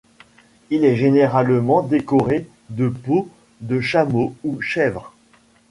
Il est généralement décoré de peau de chameau ou chèvre.